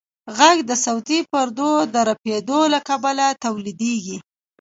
غږ د صوتي پردو د رپېدو له کبله تولیدېږي.